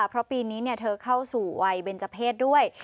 เพราะปีนี้เธอเข้าสู่วัยเบนเจอร์เพศด้วย